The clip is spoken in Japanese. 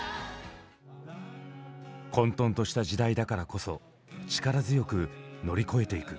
混沌とした時代だからこそ力強く乗り越えていく。